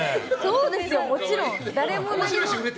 もちろん、誰も何も。